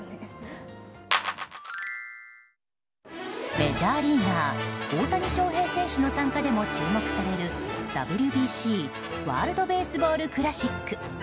メジャーリーガー大谷翔平選手の参加でも注目されるＷＢＣ・ワールド・ベースボール・クラシック。